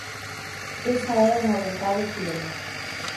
Esa é unha vontade firme.